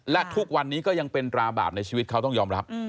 และทุกวันนี้ก็ยังเป็นตราบาปในชีวิตเขาต้องยอมรับ